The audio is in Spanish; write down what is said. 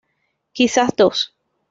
Quizás dos.